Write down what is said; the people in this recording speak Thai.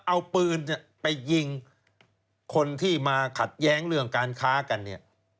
เอาปืนไปยิงคนที่มาขัดแย้งเรื่องการค้ากันเนี่ย